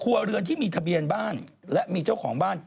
เรือนที่มีทะเบียนบ้านและมีเจ้าของบ้าน